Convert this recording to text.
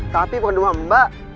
tapi bukan rumah mbak